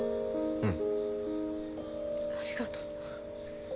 うん。